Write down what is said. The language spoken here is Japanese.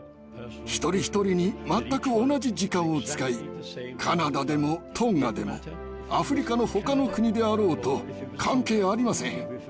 一人一人に全く同じ時間を使いカナダでもトンガでもアフリカのほかの国であろうと関係ありません。